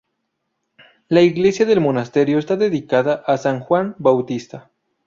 La iglesia del monasterio está dedicada a San Juan Bautista.